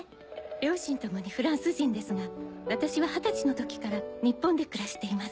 両親ともにフランス人ですが私は二十歳の時から日本で暮らしています。